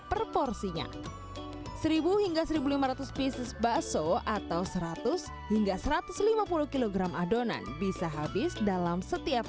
per porsinya seribu hingga seribu lima ratus pieces bakso atau seratus hingga satu ratus lima puluh kg adonan bisa habis dalam setiap